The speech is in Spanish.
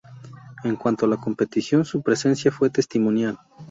En cuanto a la competición, su presencia fue testimonial.